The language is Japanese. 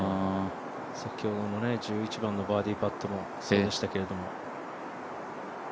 先ほどの１１番のバーディーパットもそうでしたけれども。